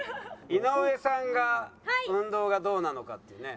井上さんが運動がどうなのかっていうね。